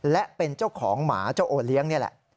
และเป็นเจ้าของหมาเจ้าโอเลี้ยงนี่แหละ